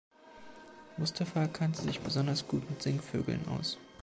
Mustafa kannte sich besonders gut mit Singvögeln aus.